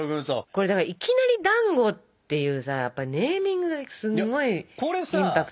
これだから「いきなりだんご」っていうさネーミングがすんごいインパクトあるじゃない。